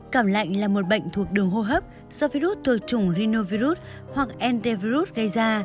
cảm lạnh là một bệnh thuộc đường hô hấp do virus thuộc chủng rhinovirus hoặc antivirus gây ra